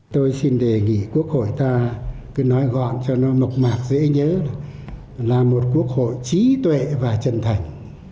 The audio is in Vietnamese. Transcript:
tôi xin đề nghị quốc hội ta cứ nói gọn cho nó mộc mạc dễ nhớ là một quốc hội trí tuệ và chân thành